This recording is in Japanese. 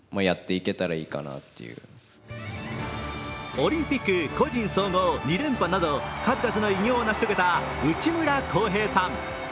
オリンピック個人総合２連覇など数々の偉業を成し遂げた内村航平さん。